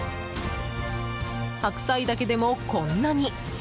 白菜だけでも、こんなに！